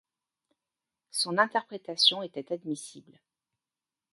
Son interprétation était admissible.